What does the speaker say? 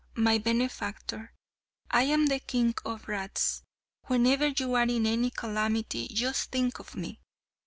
My benefactor! I am the king of rats. Whenever you are in any calamity just think of me.